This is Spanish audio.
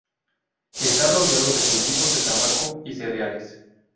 Está rodeada de cultivos de tabaco y cereales.